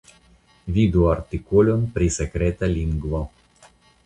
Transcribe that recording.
Vidu artikolon pri sekreta lingvo.